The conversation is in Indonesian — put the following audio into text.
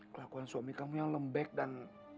kelakuan suami kamu yang lembek dan